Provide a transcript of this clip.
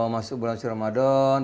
masuk bulan ramadan